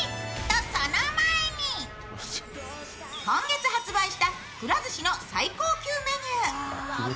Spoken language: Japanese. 今月発売したくら寿司の最高級メニュー。